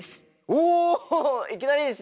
おいきなりですね。